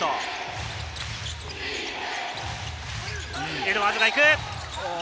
エドワーズが行く。